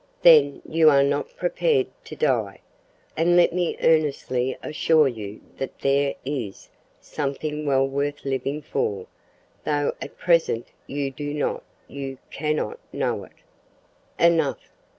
"Then you are not prepared to die; and let me earnestly assure you that there is something well worth living for, though at present you do not you cannot know it." "Enough.